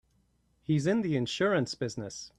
He's in the insurance business.